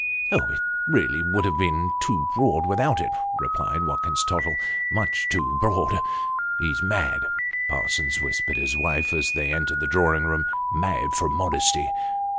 "Oh! it really would have been too broad without," replied Watkins Tottle, " much too broad !"" He's mad !" Parsons whispered his wife, as they entered the drawing room, " mad from modesty."